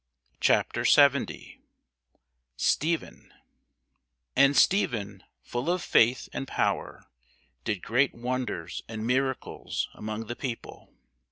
CHAPTER 70 STEPHEN AND Stephen, full of faith and power, did great wonders and miracles among the people.